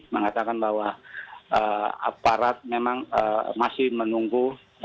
mengatakan bahwa aparat memang masih menunggu